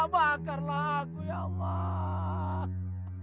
bakarlah aku ya allah